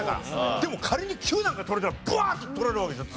でも仮に９なんか取れたらバーッと取れるわけじゃん次。